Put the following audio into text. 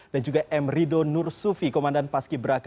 dan juga emrido nur sufi komandan paski beraka dua ribu tujuh belas